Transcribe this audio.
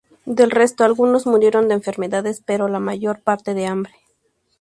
Del resto, algunos murieron de enfermedades pero la mayor parte de hambre.